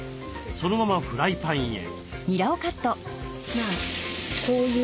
そのままフライパンへ。